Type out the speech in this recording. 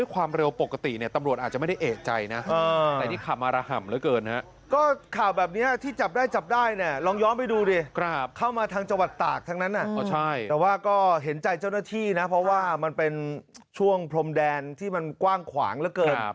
แต่ว่าก็เห็นใจเจ้าหน้าที่นะเพราะว่ามันเป็นช่วงพรมแดนที่มันกว้างขวางเหลือเกิน